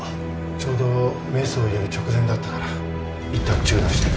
ちょうどメスを入れる直前だったからいったん中断してる。